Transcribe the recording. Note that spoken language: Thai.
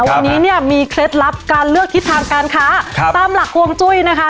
วันนี้เนี่ยมีเคล็ดลับการเลือกทิศทางการค้าตามหลักฮวงจุ้ยนะคะ